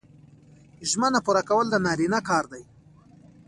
ژمنه پوره کول د نارینه کار دی